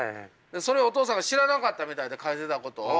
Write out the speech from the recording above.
それをお父さんが知らなかったみたいで書いてたことを。